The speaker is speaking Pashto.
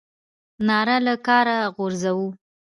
ناره له کاره غورځوو.